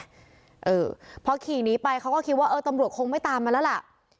เออพอขี่หนีไปเขาก็คิดว่าเออตำรวจคงไม่ตามมาแล้วล่ะ